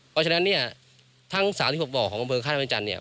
เพราะฉะนั้นทั้งสารที่บอกของอำเภอข้าวแนวนิจันทร์